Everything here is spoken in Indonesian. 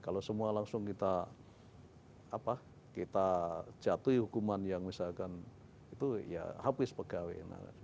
kalau semua langsung kita jatuhi hukuman yang misalkan itu ya habis pegawai